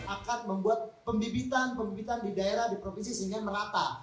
akan membuat pembibitan pembibitan di daerah di provinsi sehingga merata